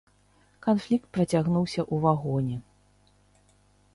Канфлікт працягнуўся ў вагоне.